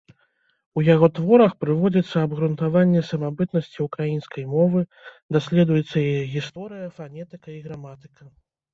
У яго творах прыводзіцца абгрунтаванне самабытнасці ўкраінскай мовы, даследуецца яе гісторыя, фанетыка і граматыка.